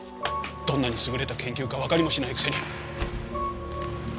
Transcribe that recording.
どんなに優れた研究かわかりもしないくせに。